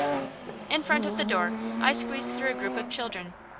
In front of the door I squeeze through a group of children.